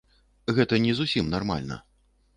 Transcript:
Гэта не зусім нармальна.